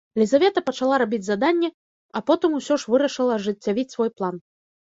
Лізавета пачала рабіць заданні, а потым усё ж вырашыла ажыццявіць свой план.